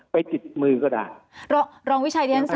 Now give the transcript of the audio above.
ไปติดมือก็ได้